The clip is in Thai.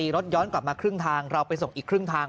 รถย้อนกลับมาครึ่งทางเราไปส่งอีกครึ่งทาง